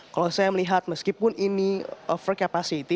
kalau saya melihat meskipun ini overcapacity